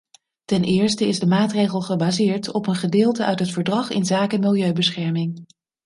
Ten eerste is de maatregel gebaseerd op een gedeelte uit het verdrag inzake milieubescherming.